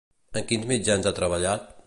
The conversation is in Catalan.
En quins mitjans ha treballat?